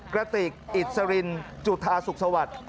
กระติกอิสรินจุธาสุขสวัสดิ์